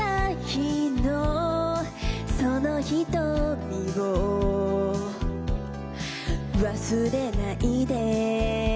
「その瞳を忘れないで」